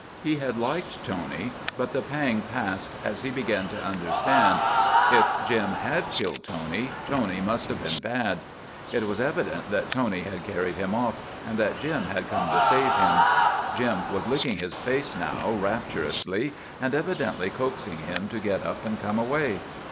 He had liked Tony. But the pang passed, as he began to understand. If Jim had killed Tony, Tony must have been bad. It was evident that Tony had carried him off, and that Jim had come to save him. Jim was licking his face now, rapturously, and evidently coaxing him to get up and come away.